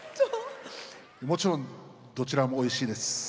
もちろんどちらもおいしいです。